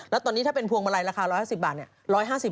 แล้วตอนนี้ถ้าเป็นพวงมาลัยราคา๑๕๐บาทเนี่ย